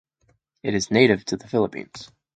It is native to the Philippines.